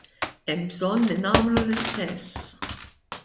Hemm bżonn li nagħmlu l-istess.